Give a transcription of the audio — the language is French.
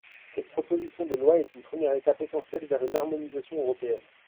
Cette proposition de loi est une première étape essentielle vers une harmonisation européenne.